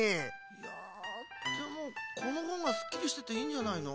いやでもこのほうがすっきりしてていいんじゃないの？